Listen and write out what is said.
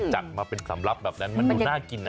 จัดมาเป็นสำลับแบบนั้นมันดูน่ากินนะ